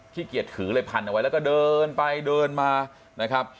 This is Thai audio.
เกียจถือเลยพันเอาไว้แล้วก็เดินไปเดินมานะครับ